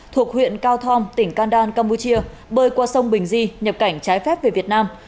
thuộc huyện cao thom tỉnh can đan camuchia bơi qua sông bình di nhập cảnh trái phép về việt nam